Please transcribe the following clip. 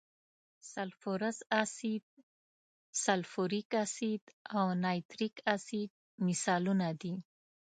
سلفورس اسید، سلفوریک اسید او نایتریک اسید مثالونه دي.